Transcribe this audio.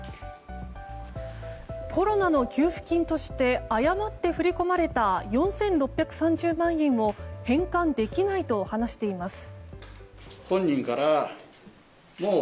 コロナの給付金として誤って振り込まれた４６３０万円を返還できないと話しています。